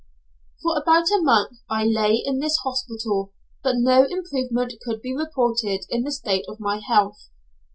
For about a month I lay in this hospital, but no improvement could be reported in the state of my health.